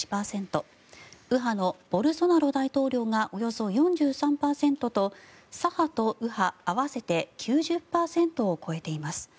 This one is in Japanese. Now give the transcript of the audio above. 右派のボルソナロ大統領がおよそ４３％と左派と右派合わせて９０％を超えています。